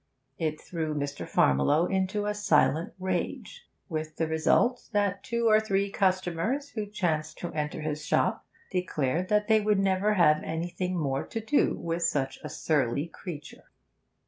It threw Mr. Farmiloe into a silent rage, with the result that two or three customers who chanced to enter his shop declared that they would never have anything more to do with such a surly creature.